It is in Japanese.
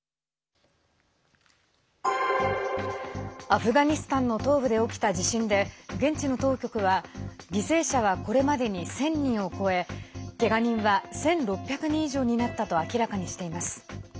アフガニスタンの東部で起きた地震で、現地の当局は犠牲者は、これまでに１０００人を超えけが人は１６００人以上になったと明らかにしています。